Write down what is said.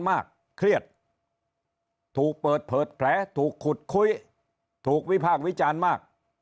เครียดถูกเปิดเผยแผลถูกขุดคุยถูกวิพากษ์วิจารณ์มาก